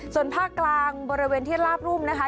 ส่วนภาคกลางบริเวณที่ลาบรุ่มนะคะ